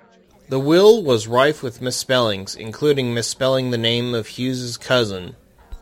The will was rife with misspellings, including misspelling the name of Hughes' cousin.